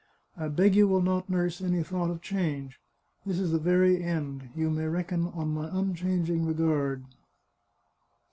I beg you will not nurse any thought of change ; this is the very end. You may reckon on my unchanging regard."